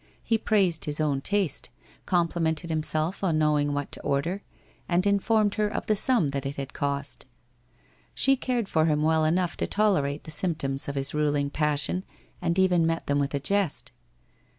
He praised his own taste, complimented himself on knowing what to order, and informed her of the sum that it had cost. She cared for him well enough to tolerate the symptoms of his ruling passion, and even met them with a jest.